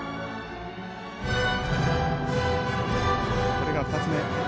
これが２つ目。